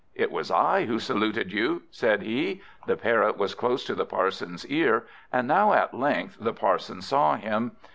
"It was I who saluted you," said he. The Parrot was close to the Parson's ear, and now at length the Parson saw him.